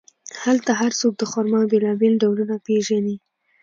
هلته هر څوک د خرما بیلابیل ډولونه پېژني.